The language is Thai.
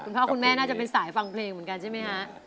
พ่อคุณแม่น่าจะเป็นสายฟังเพลงเหมือนกันใช่ไหมฮะ